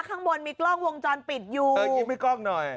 ข้างบนมีกล้องวงจรปิดอยู่มิกลอกหน่อย